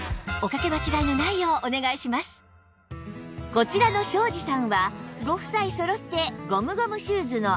こちらの庄子さんはご夫妻そろってゴムゴムシューズの愛用者